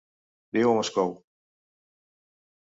Viu a Moscou.